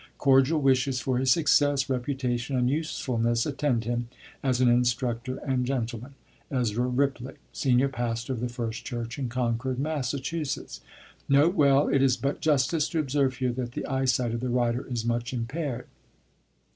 Cordial wishes for his success, reputation, and usefulness attend him, as an instructor and gentleman. "EZRA RIPLEY, "Senior Pastor of the First Church in Concord, Mass. "N. B. _It is but justice to observe here that the eyesight of the writer is much impaired.